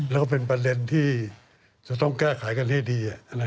แล้วก็เป็นประเด็นที่จะต้องแก้ไขกันให้ดี